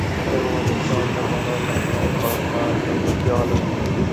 افغانستان د باران د پلوه ځانته ځانګړتیا لري.